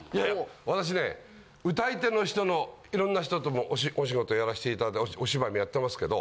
私ね歌い手の人の色んな人ともお仕事やらせて頂いお芝居もやってますけど。